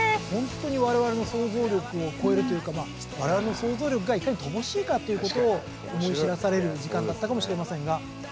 ほんとに我々の想像力を超えるというか我々の想像力がいかに乏しいかっていうことを思い知らされる時間だったかもしれませんが。